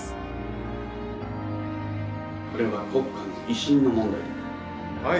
これは国家の威信の問題でもある。